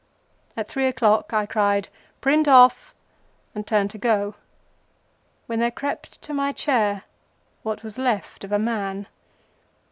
At three o'clock I cried, "Print off," and turned to go, when there crept to my chair what was left of a man.